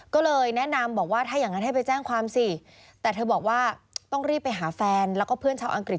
ก็เลยแนะนำบอกว่าถ้าอย่างนั้นให้ไปแจ้งความสิแต่เธอบอกว่าต้องรีบไปหาแฟนแล้วก็เพื่อนชาวอังกฤษ